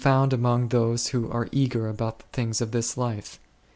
found amongst those who are eager about the things of this fife.